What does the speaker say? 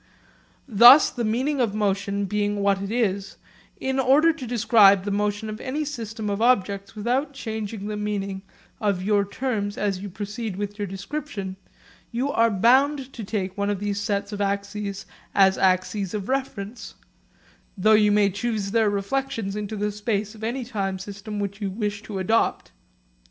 Thus the meaning of motion being what it is, in order to describe the motion of any system of objects without changing the meaning of your terms as you proceed with your description, you are bound to take one of these sets of axes as axes of reference; though you may choose their reflections into the space of any time system which you wish to adopt.